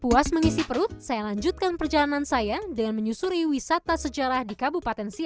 puas mengisi perut saya lanjutkan perjalanan saya dengan menyusuri wisata sejarah di kabupaten siak